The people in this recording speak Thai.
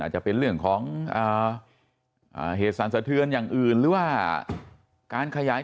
จะเป็นเรื่องของเหตุสรรสะเทือนอย่างอื่นหรือว่าการขยาย